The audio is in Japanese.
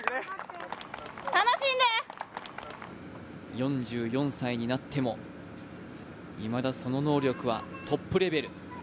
４４歳になっても、いまだその能力はトップレベル。